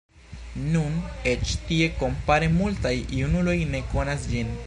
Nun, eĉ tie kompare multaj junuloj ne konas ĝin.